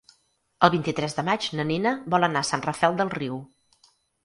El vint-i-tres de maig na Nina vol anar a Sant Rafel del Riu.